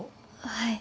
はい。